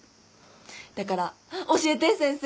だから教えて先生。